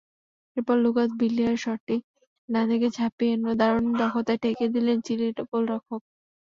এরপর লুকাস বিলিয়ার শটটি ডান দিকে ঝাঁপিয়ে দারুণ দক্ষতায় ঠেকিয়ে দিলেন চিলির গোলরক্ষক।